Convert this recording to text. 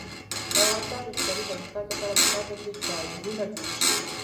د افغانستان د اقتصادي پرمختګ لپاره پکار ده چې ټایرونه جوړ شي.